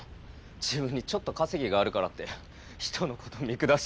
自分にちょっと稼ぎがあるからって人のこと見下して。